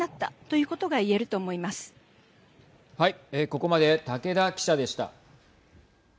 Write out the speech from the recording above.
ここまで竹田記者でした。